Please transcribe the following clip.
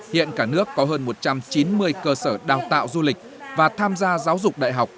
hiện cả nước có hơn một trăm chín mươi cơ sở đào tạo du lịch và tham gia giáo dục đại học